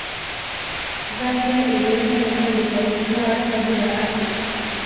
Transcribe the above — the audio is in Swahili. zambia iliweka rekodi kwa kutwaa taji la afrika